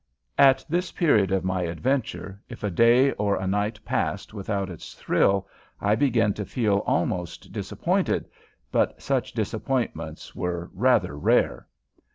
At this period of my adventure if a day or a night passed without its thrill I began to feel almost disappointed, but such disappointments were rather rare.